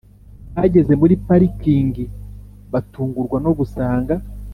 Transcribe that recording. bageze muri parking batungurwa no gusanga